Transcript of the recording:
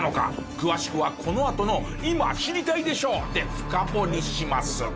詳しくはこのあとの『今知りたいでしょ！』で深掘りします。